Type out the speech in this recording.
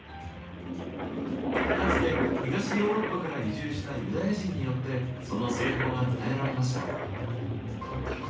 かつて東ヨーロッパから移住したユダヤ人によってその製法が伝えられました。